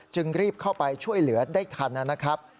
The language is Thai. จึงรีบเข้าไปช่วยเหลือได้ทันนะครับ